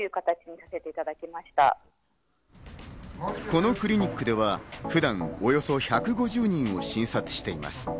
このクリニックでは普段およそ１５０人を診察しています。